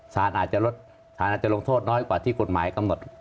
ศาลอาจจะลงโทษน้อยกว่าที่กฎหมายกำหนด